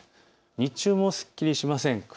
日中もすっきりしません。